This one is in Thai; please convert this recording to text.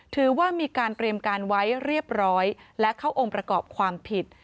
ถือว่ามีการเตรียมการไว้เรียบร้อยและเข้าองค์ประกอบความผิด